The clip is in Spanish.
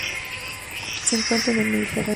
Se encuentra en el Mediterráneo.